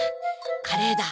「カレーだ。